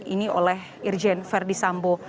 ini oleh irjen ferdisambo